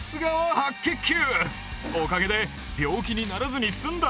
白血球！